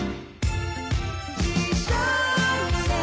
「一緒にね」